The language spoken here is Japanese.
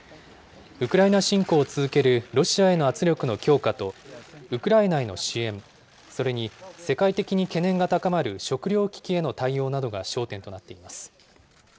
ウクライナ侵攻を続けるロシアへの圧力の強化と、ウクライナへの支援、それに世界的に懸念が高まる食料危機への対応などが焦点となっています。